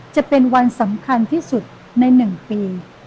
จะเป็นวันสำคัญที่สุดใน๑ปี